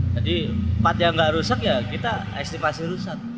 jadi part yang gak rusak ya kita estimasi rusak